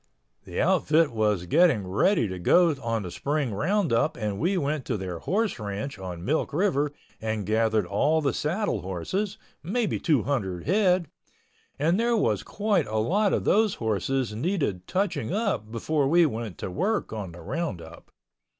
The outfit was getting ready to go on the spring roundup and we went to their horse ranch on Milk River and gathered all the saddle horses—maybe two hundred head—and there was quite a lot of those horses needed touching up before we went to work on the roundup.